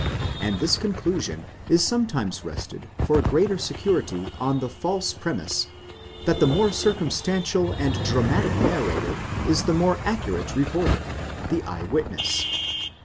* and this conclusion is sometimes rested for greater security on the false premiss, that the more circumstantial and dramatic narrator is the more accurate reporter—the eye witness.